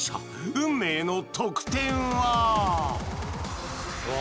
運命の得点は？